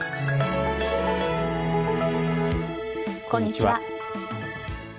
こんにちは。